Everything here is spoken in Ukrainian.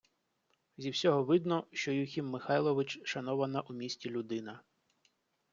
Зі всього видно, що Юхим Михайлович – шанована у місті людина.